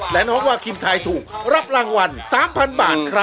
และน้องวาคิมทายถูกรับรางวัล๓๐๐๐บาทครับ